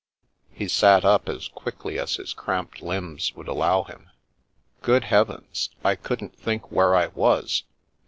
He sat up as quickly as his cramped limbs would allow him. " Good Heavens ! I couldn't think where I was.